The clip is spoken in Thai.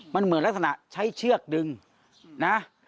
มันเหมือนลักษณะใช้เชือกดึงนะ